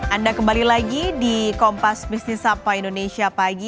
anda kembali lagi di kompas bisnis sampah indonesia pagi